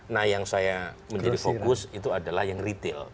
nah yang saya menjadi fokus itu adalah yang retail